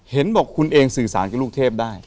เห็นบอกคุณเองสื่อสารกับลูกเทพได้